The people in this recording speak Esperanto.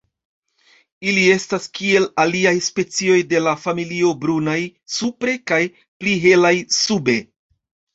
Ili estas kiel aliaj specioj de la familio brunaj supre kaj pli helaj sube.